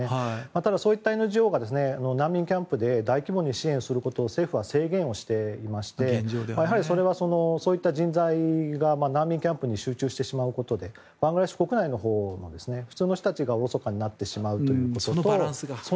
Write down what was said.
ただ、そういったＮＧＯが難民キャンプで大規模に支援することを政府は制限をしていましてやはり、そういった人材が難民キャンプに集中してしまうことでバングラデシュ国内のほうも普通の人たちがおろそかになってしまうという。